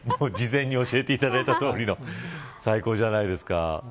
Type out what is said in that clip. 事前に教えていただいたとおりの、最高じゃないですか。